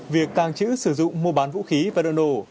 việc tàng trữ sử dụng mô bán vũ khí và đồ nổ